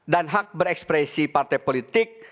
dan hak berekspresi partai politik